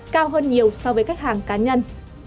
cao hơn nhiều so với khách hàng cá nhân